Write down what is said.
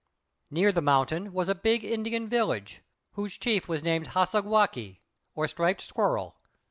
Near the mountain was a big Indian village, whose chief was named "Hassagwākq'," or the Striped Squirrel.